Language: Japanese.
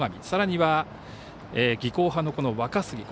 さらには、技巧派の若杉。